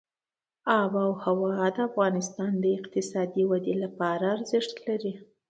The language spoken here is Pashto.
آب وهوا د افغانستان د اقتصادي ودې لپاره ارزښت لري.